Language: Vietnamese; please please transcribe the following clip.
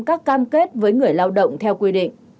các cam kết với người lao động theo quy định